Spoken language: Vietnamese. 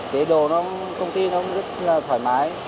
chế độ công ty nó rất là thoải mái